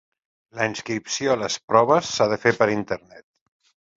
La inscripció a les proves s'ha de fer per internet.